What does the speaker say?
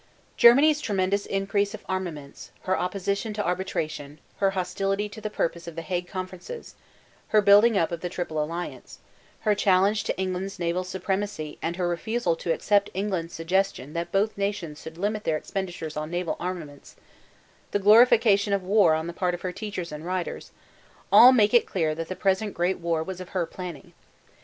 Germany's tremendous increase of armaments, her opposition to arbitration, her hostility to the purpose of the Hague Conferences, her building up of the Triple Alliance, her challenge to England's naval supremacy and her refusal to accept England's suggestion that both nations should limit their expenditures on naval armaments, the glorification of war on the part of her teachers and writers, all make it clear that the present Great War was of her planning.